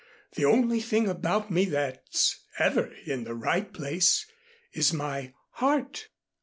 "The only thing about me that's ever in the right place is my heart.